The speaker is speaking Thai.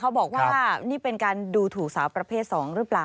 บอกว่านี่เป็นการดูถูกสาวประเภท๒หรือเปล่า